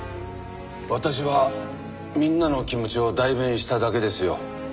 私はみんなの気持ちを代弁しただけですよ。